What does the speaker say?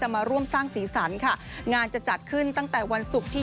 จะมาร่วมสร้างสีสันค่ะ